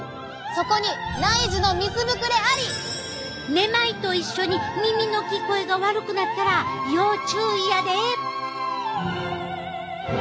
めまいと一緒に耳の聞こえが悪くなったら要注意やで！